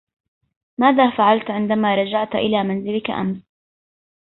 ماذا فعلت عندما رجعت إلى منزلك أمس؟